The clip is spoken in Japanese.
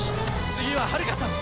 次ははるかさん。